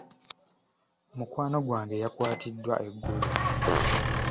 Mukwano gwange yakwatiddwa eggulo.